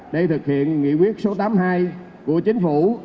để thực hiện nghị quyết số tám mươi hai của chính phủ